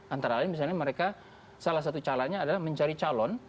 antara lain misalnya mereka salah satu calonnya adalah mencari calon